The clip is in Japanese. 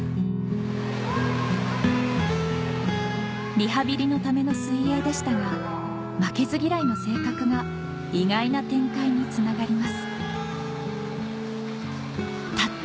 リハビリのための水泳でしたが負けず嫌いの性格が意外な展開につながりますたった